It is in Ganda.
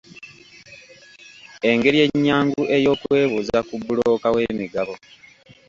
Engeri ennyangu ey'okwebuuza ku bbulooka w'emigabo.